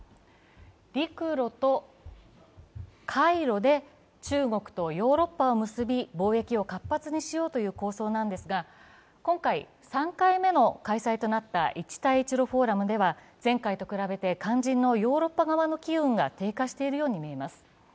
陸路と海路で中国とヨーロッパを結び貿易を活発にしようという構想なんですが今回、３回目の開催となった一帯一路フォーラムでは前回と比べて肝心のヨーロッパ側の機運が低下しているようにみえる。